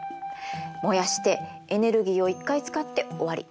燃やしてエネルギーを１回使って終わり。